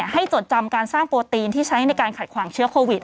จดจำการสร้างโปรตีนที่ใช้ในการขัดขวางเชื้อโควิด